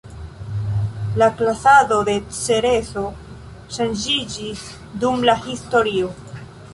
La klasado de Cereso ŝanĝiĝis dum la historio.